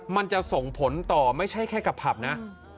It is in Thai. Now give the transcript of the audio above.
มันจะส่งผลต่อไม่ใช่แค่กับผับนะ